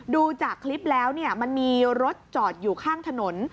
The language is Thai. ดูจากคลิปแล้วมันมีรถจอดอยู่ข้างถนน